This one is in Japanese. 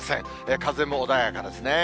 風も穏やかですね。